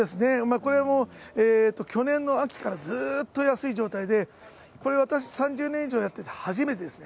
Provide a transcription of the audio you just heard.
これも去年の秋からずーっと安い状態で、これ私、３０年以上やってて、初めてですね。